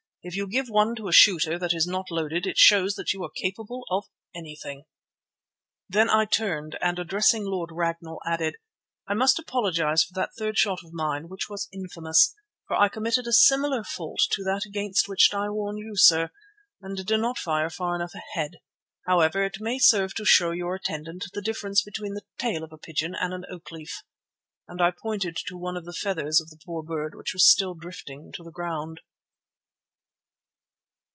If you give one to a shooter that is not loaded, it shows that you are capable of anything." Then I turned, and addressing Lord Ragnall, added: "I must apologize for that third shot of mine, which was infamous, for I committed a similar fault to that against which I warned you, sir, and did not fire far enough ahead. However, it may serve to show your attendant the difference between the tail of a pigeon and an oak leaf," and I pointed to one of the feathers of the poor bird, which was still drifting to the ground.